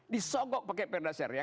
disogok pakai perdasyaria